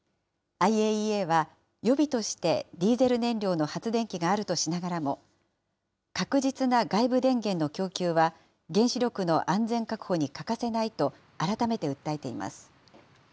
ＩＡＥＡは、予備としてディーゼル燃料の発電機があるとしながらも、確実な外部電源の供給は原子力の安全確保に欠かせないと、改めて訴えています。